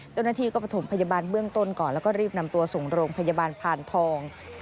เจ้าหน้าที่ก็ประถมพยาบาลเบื้องต้นก่อนแล้วก็รีบนำตัวส่งโรงพยาบาลพานทอง